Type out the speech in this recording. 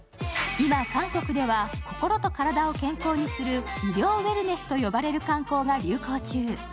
今、韓国では心と体を健康にする医療ウェルネスと呼ばれる観光が流行中。